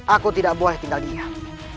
aku tidak boleh tinggal diam